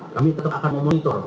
kami tetap akan memonitor